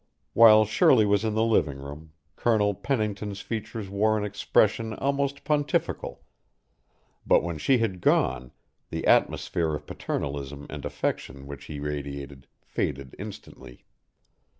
While Shirley was in the living room Colonel Pennington's features wore an expression almost pontifical, but when she had gone, the atmosphere of paternalism and affection which he radiated faded instantly.